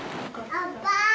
乾杯！